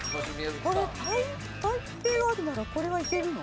これ台北があるならこれはいけるの？